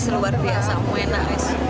luar biasa enak